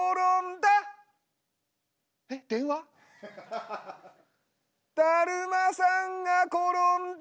だるまさんが転んだ！